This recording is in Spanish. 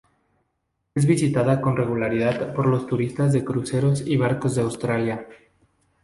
Es visitada con regularidad por los turistas de cruceros y barcos de Australia.